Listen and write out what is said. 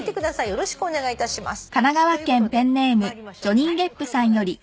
よろしくお願いします。